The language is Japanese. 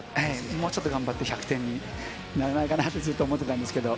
もうちょっと頑張って、１００点にならないかなって、ずっと思ってたんですけど。